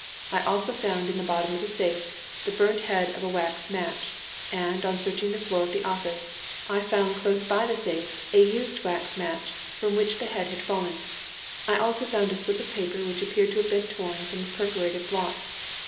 I also found, in the bottom of the safe, the burnt head of a wax match, and, on searching the floor of the office, I found, close by the safe, a used wax match from which the head had fallen. I also found a slip of paper which appeared to have been torn from a perforated block.